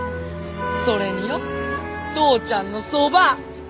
それによ父ちゃんのそば！